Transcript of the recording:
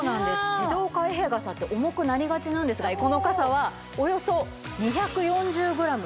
自動開閉傘って重くなりがちなんですがこの傘はおよそ２４０グラム。